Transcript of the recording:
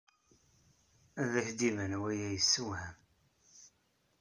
Ad ak-d-iban waya yessewham.